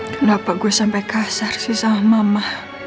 kenapa gue sampai kasar sih sama mama